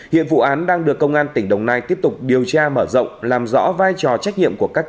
hiện vụ án đang được công an tỉnh đồng nai tiếp tục điều tra mở rộng làm rõ vai trò trách nhiệm của các cơ sở